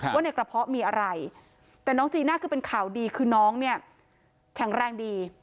ว่าในกระเพาะมีอะไรแต่น้องจีน่าคือเป็นข่าวดีคือน้องเนี่ยแข็งแรงดี